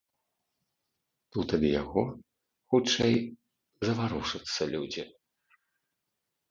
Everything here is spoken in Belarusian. Тут ад яго хутчэй заварушацца людзі.